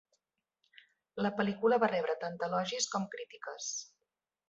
La pel·lícula va rebre tant elogis com crítiques.